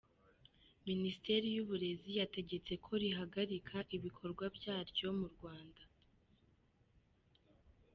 Ministeri y'uburezi yategetse ko rihagarika ibikorwa byaryo mu Rwanda .